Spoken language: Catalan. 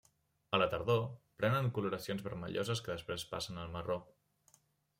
A la tardor prenen coloracions vermelloses que després passen al marró.